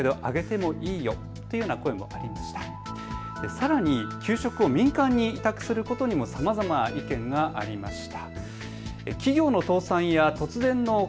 さらに給食を民間に委託することにもさまざま意見がありました。